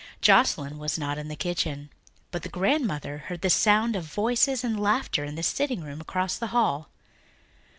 Joscelyn was not in the kitchen, but the grandmother heard the sound of voices and laughter in the sitting room across the hall.